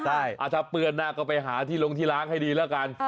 ใช่ถ้าเปื้อนหน้าก็ไปหาที่ลงที่ล้างให้ดีแล้วกัน